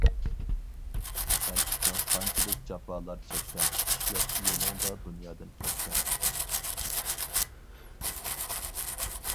سەن ئۈچۈن قانچىلىك جاپالار چەكسەم، ئىشلەپ يولۇڭدا دۇنيادىن كەتسەم.